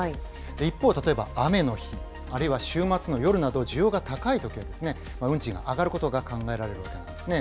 一方、例えば雨の日、あるいは週末の夜など需要が高いときは、運賃が上がることが考えられるわけですよね。